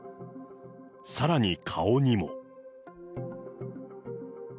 さらに顔にも。